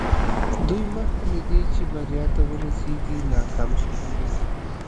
دوی مخکې له دې چې بريا ته ورسېږي ناکام شوي وو.